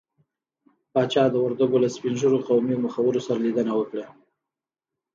پاچا د وردګو له سپين ږيرو قومي مخورو سره ليدنه وکړه.